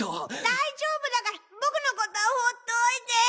大丈夫だから僕のことは放っておいて。